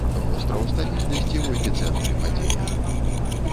Востраў стабільнасці ў эпіцэнтры падзеяў.